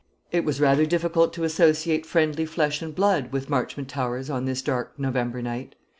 It was rather difficult to associate friendly flesh and blood with Marchmont Towers on this dark November night.